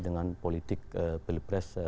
dengan politik pilpres